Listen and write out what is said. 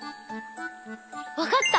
わかった！